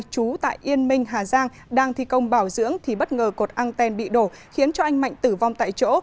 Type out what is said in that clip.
chú tại yên minh hà giang đang thi công bảo dưỡng thì bất ngờ cột anten bị đổ khiến cho anh mạnh tử vong tại chỗ